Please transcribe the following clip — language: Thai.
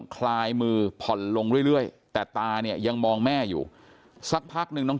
คลายมือผ่อนลงเรื่อยแต่ตาเนี่ยยังมองแม่อยู่สักพักหนึ่งน้อง